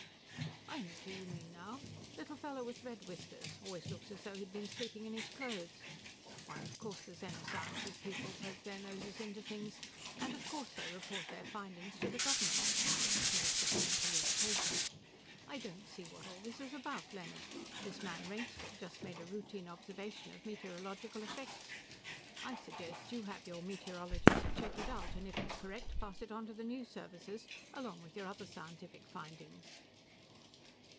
"I know who you mean now; little fellow with red whiskers, always looks as though he'd been sleeping in his clothes. Why, of course the Zeno Sciences people poke their noses into things, and of course they report their findings to the government." He was beginning to lose patience. "I don't see what all this is about, Leonard. This man Rainsford just made a routine observation of meteorological effects. I suggest you have your meteorologists check it, and if it's correct pass it on to the news services along with your other scientific findings."